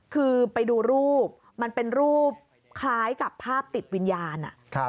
คือไปดูรูปมันเป็นรูปคล้ายกับภาพติดวิญญาณ